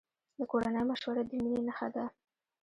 د کورنۍ مشوره د مینې نښه ده.